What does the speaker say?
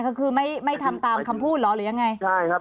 ก็คือไม่ไม่ทำตามคำพูดเหรอหรือยังไงใช่ครับ